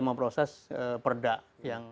memproses perda yang